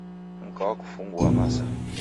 Mka wakufungua masa.